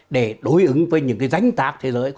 để đối ứng với những cái danh tạc thế giới